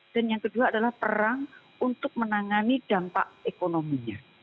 dan yang kedua adalah perang untuk menangani dampak ekonominya